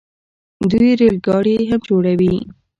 دوی ریل ګاډي هم جوړوي.